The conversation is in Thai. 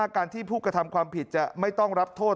การที่ผู้กระทำความผิดจะไม่ต้องรับโทษ